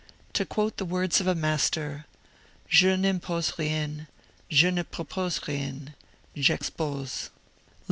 To quote the words of a Master 'Je n'impose rien; je ne propose rien: j'expose.' L.S.